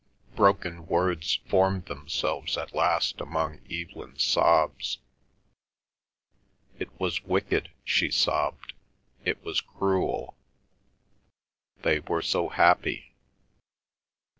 Broken words formed themselves at last among Evelyn's sobs. "It was wicked," she sobbed, "it was cruel—they were so happy."